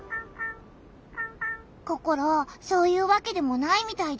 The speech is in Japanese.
ココロそういうわけでもないみたいだよ。